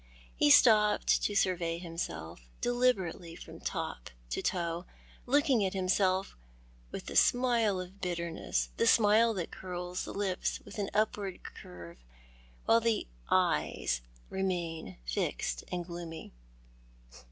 He stopped to survey himself, deliberately, from top to toe, looking at himself with the smile of bitterness, the smile that curls the lips with an upward curve, while the eyes remain fixed and gloomy.